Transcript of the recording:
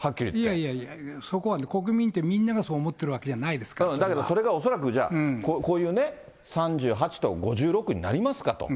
いやいやいや、そこはね、国民ってみんながそう思ってるわけだけどそれが恐らくこういうね、３８と５６になりますかと。